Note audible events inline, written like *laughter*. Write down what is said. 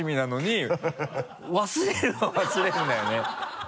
忘れるは忘れるんだよね *laughs*